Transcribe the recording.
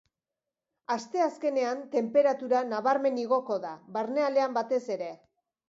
Astezkenean, tenperatura nabarmen igoko da, barnealdean batez ere.